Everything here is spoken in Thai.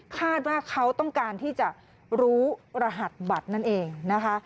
คาดว่าเขาต้องการที่จะรู้รหัสบัตรนั่นเองนะคะ